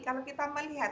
kalau kita melihat